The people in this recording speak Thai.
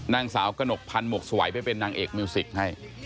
นางสาวกระหนกพันธ์หมวกสวัยไปเป็นนางเอกมิวสิกให้